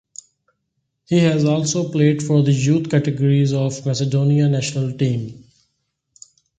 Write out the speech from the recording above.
He has also played for the youth categories of Macedonia national team.